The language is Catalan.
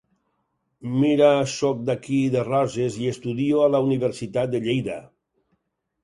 Mira soc d'aquí de Roses i estudio a la Universitat de Lleida.